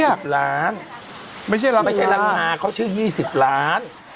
ยี่สิบล้านไม่ใช่รังนาไม่ใช่รังนาเขาชื่อยี่สิบล้าน